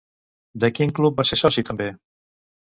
De quin club va ser soci també?